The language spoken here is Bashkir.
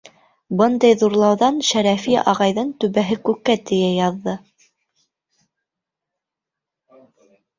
Бындай ҙурлауҙан Шәрәфи ағайҙың түбәһе күккә тейә яҙҙы.